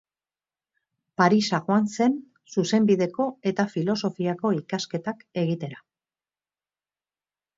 Parisa joan zen Zuzenbideko eta Filosofiako ikasketak egitera.